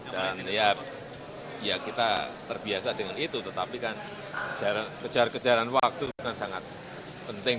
dan ya kita terbiasa dengan itu tetapi kan kejar kejaran waktu kan sangat penting